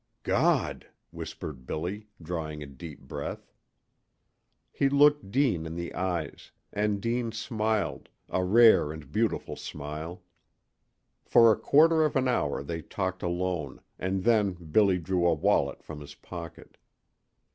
"Gawd!" whispered Billy, drawing a deep breath. He looked Deane in the eyes; and Deane smiled, a rare and beautiful smile. For a quarter of an hour they talked alone, and then Billy drew a wallet from his pocket.